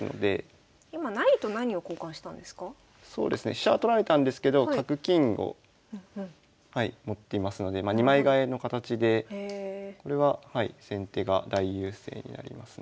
飛車は取られたんですけど角金をはい持っていますので二枚換えの形でこれは先手が大優勢になりますね。